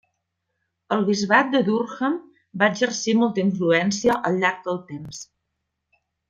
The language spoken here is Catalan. El bisbat de Durham va exercir molta influència al llarg del temps.